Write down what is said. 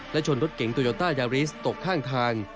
และชนรถเข่งโตยย็อต้ายาเรซตกข้างทาง